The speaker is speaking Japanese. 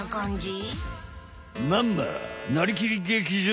まんま「なりきり劇場！」